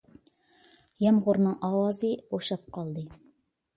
يامغۇرنىڭ ئاۋازى بوشاپ قالدى.